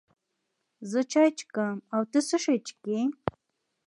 زه چای چکم، او ته څه شی چیکې؟